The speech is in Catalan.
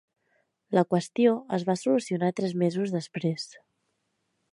La qüestió es va solucionar tres mesos després.